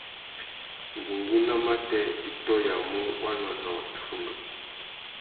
Ngüéngüinô matê i tôyamú wanônōh iffundu.